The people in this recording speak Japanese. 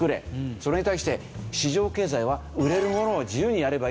それに対して市場経済は「売れるものを自由にやればいいですよ」。